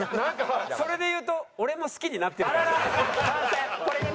それで言うと俺も好きになってるからね。